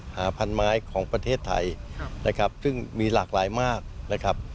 พันไม้ของประเทศไทยนะครับซึ่งมีหลากหลายมากนะครับ